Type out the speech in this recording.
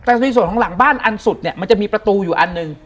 แต่ในส่วนของหลังบ้านอันสุดเนี่ยมันจะมีประตูอยู่อันหนึ่ง